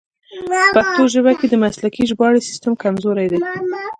په پښتو ژبه کې د مسلکي ژباړې سیستم کمزوری دی.